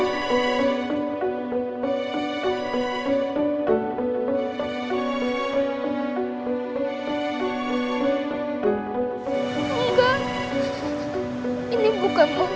orang yang tadi siang dimakamin